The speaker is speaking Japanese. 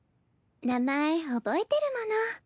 名前覚えてるもの。